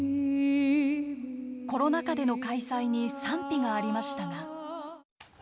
コロナ禍での開催に賛否がありましたが。